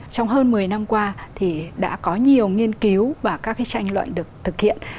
trong hơn một mươi năm qua thì đã có nhiều nghiên cứu và các tranh luận được thực hiện